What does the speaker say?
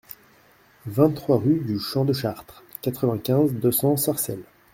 vingt-trois rue du Champ de Chartres, quatre-vingt-quinze, deux cents, Sarcelles